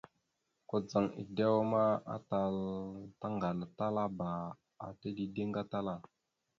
Kudzaŋ edewa ma, atal tàŋganatalaba ata dideŋ gatala.